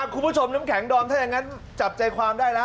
คุณผู้ชมน้ำแข็งดอมถ้าอย่างนั้นจับใจความได้แล้ว